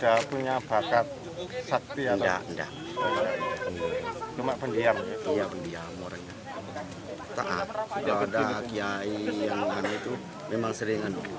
iya sering dekat sama kiai